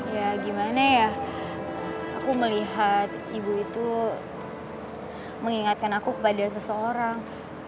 ya gimana ya aku melihat ibu itu mengingatkan aku kepada seseorang